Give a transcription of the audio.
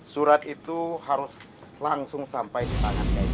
surat itu harus langsung sampai di tangannya